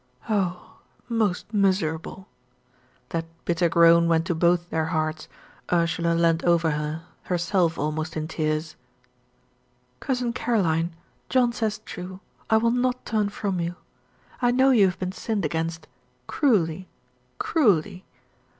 "Oh, most miserable." That bitter groan went to both their hearts, Ursula leaned over her herself almost in tears. "Cousin Caroline, John says true I will not turn from you. I know you have been sinned against cruelly cruelly.